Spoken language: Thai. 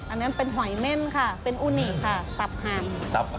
อันนั้นเป็นหอยเม่นค่ะเป็นอูนิค่ะตับหั่น